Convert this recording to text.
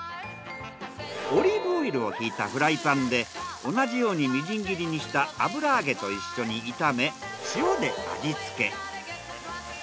オリーブオイルをひいたフライパンで同じようにみじん切りにした油揚げと一緒に炒め塩で味付け。